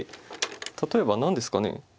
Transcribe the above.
例えば何ですかね。